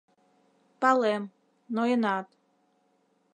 — Палем, ноенат.